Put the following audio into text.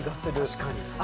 確かに。